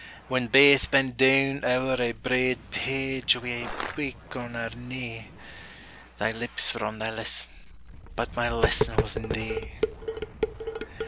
When baith bent doun ower ae braid page, Wi' ae buik on our knee, Thy lips were on thy lesson, but My lesson was in thee.